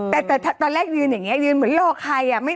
แต่ตอนแรกยืนอย่างนี้ยืนเหมือนรอใคร